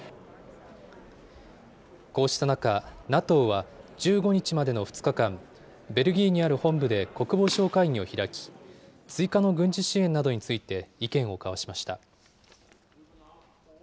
こうした中、ＮＡＴＯは１５日までの２日間、ベルギーにある本部で国防相会議を開き、追加の軍事支援などについて、意見を交わしました。